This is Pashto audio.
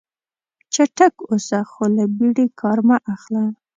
چټک اوسه خو له بیړې کار مه اخله.